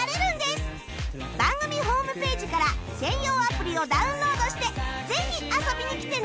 番組ホームページから専用アプリをダウンロードしてぜひ遊びに来てね！